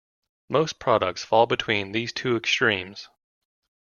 Most products fall between these two extremes.